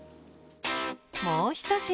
もう一品。